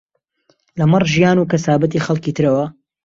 لەمەڕ ژیان و کەسابەتی خەڵکی ترەوە